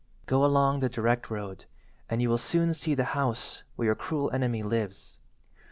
"Go along the direct road, and you will soon see the house where your cruel enemy lives.